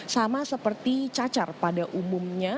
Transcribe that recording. sama seperti cacar pada umumnya